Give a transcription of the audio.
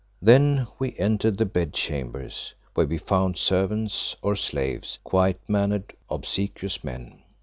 Then we entered the bed chambers, where we found servants, or slaves, quiet mannered, obsequious men.